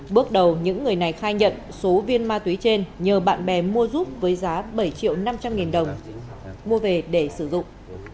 bước đầu những người này khai nhận số viên ma túy trên nhờ bạn bè mua giúp với giá bảy triệu năm trăm linh nghìn đồng mua về để sử dụng